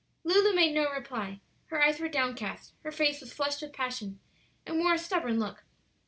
Lulu made no reply; her eyes were downcast, her face was flushed with passion, and wore a stubborn look.